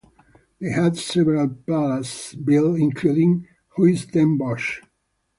They had several palaces built, including Huis ten Bosch.